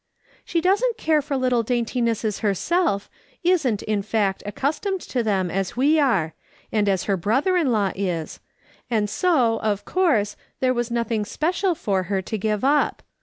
" She doesn't care I'ur little daintinesses herself, isn't, in fact, accustomed to them as we are, and as her brother in law is, and so, of course, there was nothing special for her to give up.